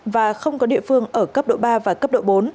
và không có địa phương ở cấp độ ba và cấp độ bốn